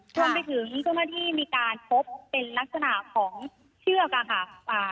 รวมไปถึงเจ้าหน้าที่มีการพบเป็นลักษณะของเชือกอ่ะค่ะอ่า